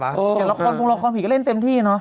ไม่เห็นละครบุงละครผิดก็เล่นเต็มที่